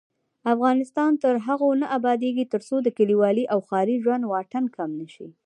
افغانستان تر هغو نه ابادیږي، ترڅو د کلیوالي او ښاري ژوند واټن کم نشي.